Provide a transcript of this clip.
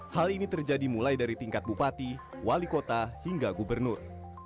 hal ini terjadi mulai dari tingkat bupati wali kota hingga gubernur